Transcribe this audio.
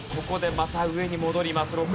ここでまた上に戻ります。